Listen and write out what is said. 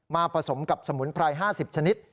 ผสมกับสมุนไพร๕๐ชนิด